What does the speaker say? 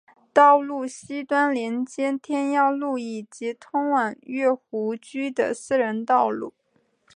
道路西端连接天耀路以及通往乐湖居的私人道路。